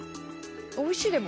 おいしいでも。